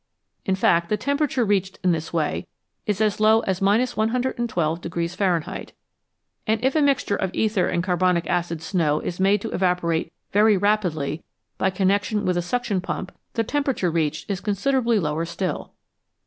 In fact the temperature reached in this way is as low as 112 Fahrenheit; and if a mixture of ether and carbonic acid snow is made to evaporate very rapidly by connection with a suction pump the temperature reached is considerably lower still.